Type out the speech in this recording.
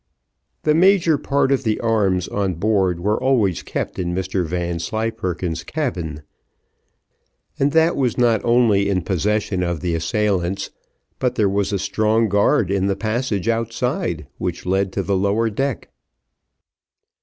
The major part of the arms on board were always kept in Mr Vanslyperken's cabin, and that was not only in possession of the assailants, but there was a strong guard in the passage outside which led to the lower deck.